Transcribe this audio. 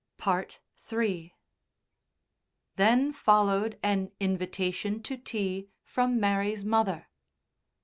III Then followed an invitation to tea from Mary's mother.